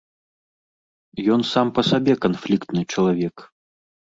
Ён сам па сабе канфліктны чалавек.